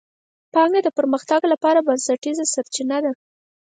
پانګه د پرمختګ لپاره بنسټیزه سرچینه ده.